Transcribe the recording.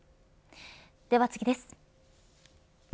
では、次です。